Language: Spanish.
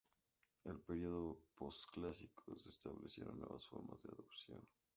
En el período postclásico, se establecieron nuevas formas de adopción.